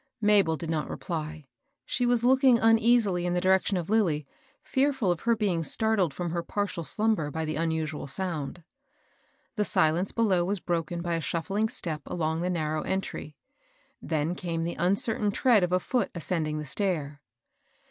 Ma bel did not reply. She was looking uneasily in the direction of Lilly, fearful of her being startled firom her partial slumber by the unusual sound. The silence below was broken by a shuffling step along the narrow entry ; then came the uncertain tread of a foot ascending the stair.